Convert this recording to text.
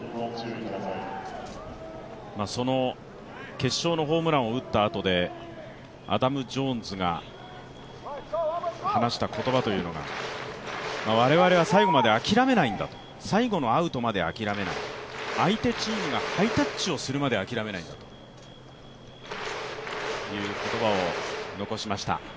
決勝のホームランを打ったあとで、アダム・ジョーンズが話した言葉が我々は最後まで諦めないんだと、最後のアウトまで諦めない、相手チームがハイタッチをするまで諦めないんだという言葉を残しました。